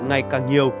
ngày càng nhiều